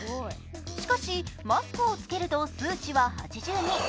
しかし、マスクをつけると数値は８０に。